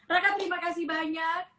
raka terima kasih banyak